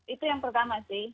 itu yang pertama sih